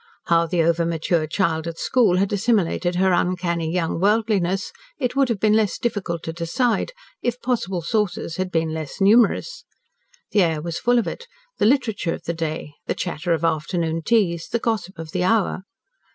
How the over mature child at school had assimilated her uncanny young worldliness, it would have been less difficult to decide, if possible sources had been less numerous. The air was full of it, the literature of the day, the chatter of afternoon teas, the gossip of the hour.